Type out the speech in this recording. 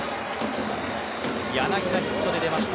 柳田、ヒットで出ました。